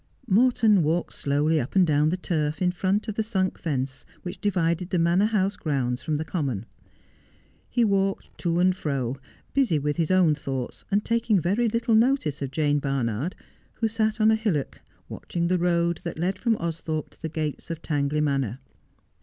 Morton walked slowly up and down the turf in front of the sunk fence which divided the Manor House grounds from the common. He walked to and fro, busy with his own thoughts, and taking very little notice of Jane Barnard, who sat upon a hillock, watching the road that led from Austhorpe to the gates of Tangley Manor.